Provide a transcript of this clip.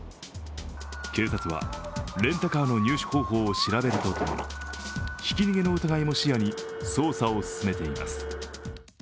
警察はレンタカーの入手方法を調べるとともにひき逃げの疑いも視野に捜査を進めています。